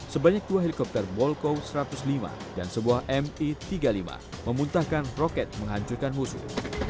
sebanyak dua helikopter bolko satu ratus lima dan sebuah mi tiga puluh lima memuntahkan roket menghancurkan musuh